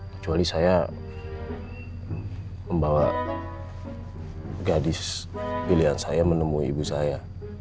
kecuali saya membawa gadis pilihan saya menemui ibu saya